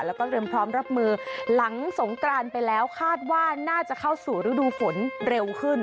แล้วก็เตรียมพร้อมรับมือหลังสงกรานไปแล้วคาดว่าน่าจะเข้าสู่ฤดูฝนเร็วขึ้น